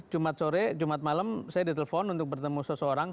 jumat sore jumat malam saya ditelepon untuk bertemu seseorang